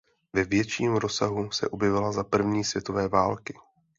Ve větším rozsahu se objevila za první světové války.